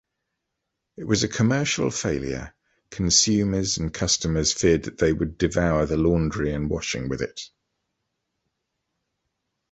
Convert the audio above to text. It was a commercial failure, consumers/customers feared they would devour the laundry/washing with it.